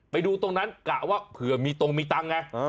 ไปดูตรงนั้นกะว่าเผื่อมีตรงมีตังค์ไง